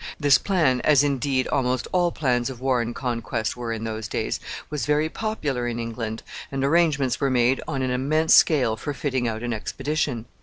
This plan, as, indeed, almost all plans of war and conquest were in those days, was very popular in England, and arrangements were made on an immense scale for fitting out an expedition.